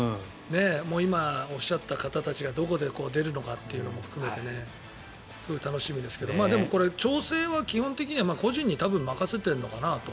今、おっしゃった方たちがどこで出るのかというのも含めてすごい楽しみですけどでも、調整は基本的には個人に任せているのかなと。